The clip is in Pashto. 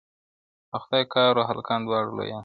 • د خدای کار وو هلکان دواړه لویان سوه..